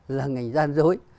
là ngành gian dối